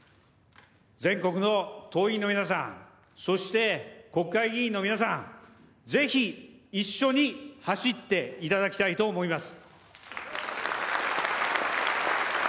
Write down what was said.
全国の党員の皆さん、そして国会議員の皆さん、ぜひ一緒に走っていただきたいと思います。